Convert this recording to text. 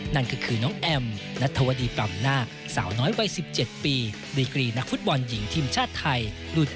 นั่นก็คือน้องแอมนัทธวดีปล่ำนาคสาวน้อยวัย๑๗ปีดีกรีนักฟุตบอลหญิงทีมชาติไทยหลุด